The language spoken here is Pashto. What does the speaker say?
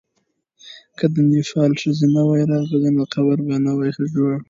که د نېپال ښځې نه وای راغلې، نو قبر به نه وو جوړ.